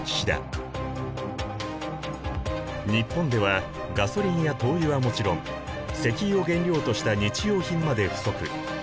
日本ではガソリンや灯油はもちろん石油を原料とした日用品まで不足。